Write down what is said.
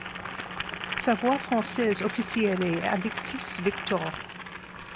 Sa voix française officielle est Alexis Victor.